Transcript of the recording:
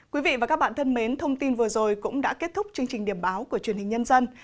quý vị và các bạn thân mến thông tin vừa rồi cũng đã kết thúc chương trình điểm báo của truyền hình nhân dân